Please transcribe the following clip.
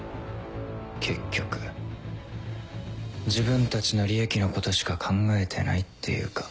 結局自分たちの利益のことしか考えてないっていうか。